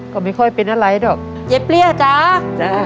ก็ไม่ค่อยเป็นอะไรหรอกเย้เปรี้ยจ๊ะจ้ะ